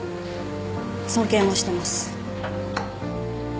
尊敬もしてます